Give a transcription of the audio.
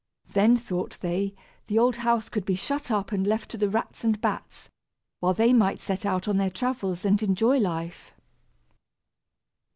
Then, thought they, the old house could be shut up and left to the rats and bats, while they might set out on their travels and enjoy life.